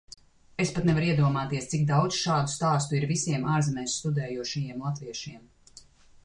Es pat nevaru iedomāties, cik daudz šādu stāstu ir visiem ārzemēs studējošajiem latviešiem.